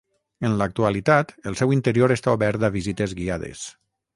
En l'actualitat el seu interior està obert a visites guiades.